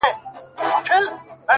د خپلي ژبي په بلا؛